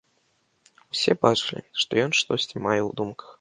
Усе бачылі, што ён штосьці мае ў думках.